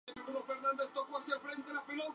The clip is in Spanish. Es preciso que jurados sean imparciales.